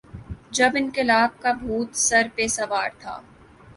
جب انقلاب کا بھوت سر پہ سوار تھا۔